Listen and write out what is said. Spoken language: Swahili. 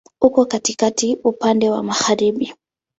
Uko katikati, upande wa magharibi.